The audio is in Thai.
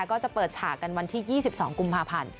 ก็จะเปิดฉากกันวันที่๒๒กุมภาพันธ์